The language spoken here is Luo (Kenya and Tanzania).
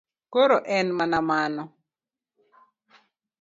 Koro en mana mano.